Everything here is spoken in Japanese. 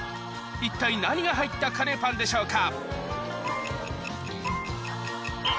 一体何が入ったカレーパンでしょうか？